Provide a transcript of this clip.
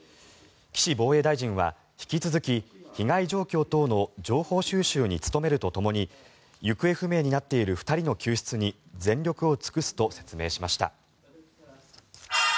岸防衛大臣は引き続き被害状況等の情報収集に努めるとともに行方不明になっている２人の救出に全力を尽くすと説明しました。